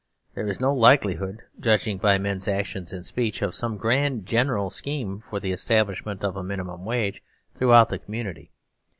There is no likelihood, judging by men's actions and speech, of some grand general scheme for the establishment of a minimum wage throughout the community.